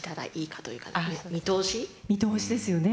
見通しですよね